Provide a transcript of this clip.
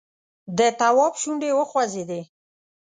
د تواب شونډې وخوځېدې!